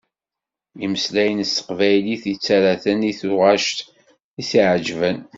Imeslayen s teqbaylit yettarra-ten i tuγac i t-iεjeben.